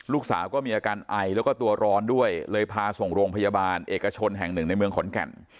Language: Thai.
ลูกสาวก็มีอาการไอแล้วก็ตัวร้อนด้วยเลยพาส่งโรงพยาบาลเอกชนแห่งหนึ่งในเมืองขอนแก่น